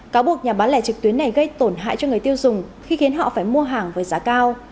cáo buộc nhà bán lẻ trực tuyến này gây tổn hại cho người tiêu dùng khi khiến họ phải mua hàng với giá cao